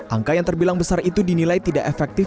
angka yang terbilang besar itu dinilai tidak efektif